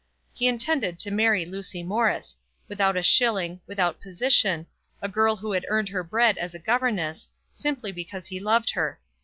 He intended to marry Lucy Morris, without a shilling, without position, a girl who had earned her bread as a governess, simply because he loved her.